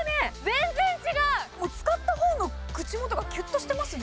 全然違う使ったほうの口もとがきゅっとしてますね